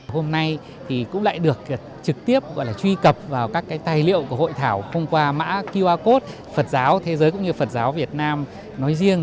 hôm nay thì cũng lại được trực tiếp gọi là truy cập vào các cái tài liệu của hội thảo thông qua mã qr code phật giáo thế giới cũng như phật giáo việt nam nói riêng